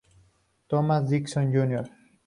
Thomas Dixon, Jr.